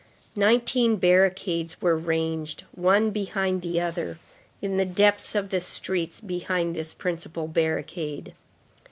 Nineteen barricades were ranged, one behind the other, in the depths of the streets behind this principal barricade.